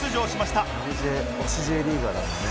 「推しＪリーガーだもんね」